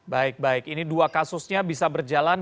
baik baik ini dua kasusnya bisa berjalan